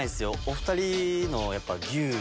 お２人のやっぱ牛。